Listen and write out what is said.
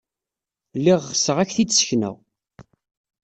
Lliɣ ɣseɣ ad ak-t-id-ssekneɣ.